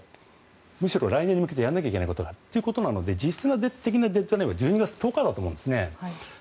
むしろ来年に向けてやらなきゃいけないことが。ということなので実質的なデッドラインは１２月１０日だと思います。